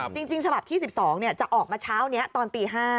จริงฉบับที่๑๒จะออกมาเช้านี้ตอนตี๕